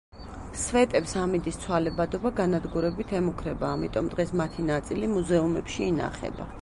სვეტებს ამინდის ცვალებადობა განადგურებით ემუქრება, ამიტომ დღეს მათი ნაწილი მუზეუმებში ინახება.